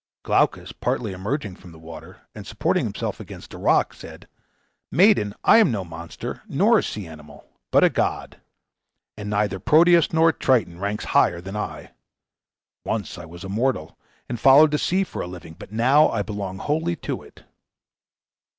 Glaucus partly emerging from the water, and supporting himself against a rock, said, "Maiden, I am no monster, nor a sea animal, but a god; and neither Proteus nor Triton ranks higher than I. Once I was a mortal, and followed the sea for a living; but now I belong wholly to it."